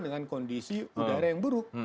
dengan kondisi udara yang buruk